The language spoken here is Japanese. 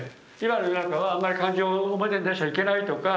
今の世の中はあんまり感情を表に出しちゃいけないとか。